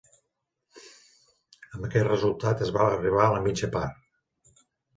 Amb aquest resultat es va arribar a la mitja part.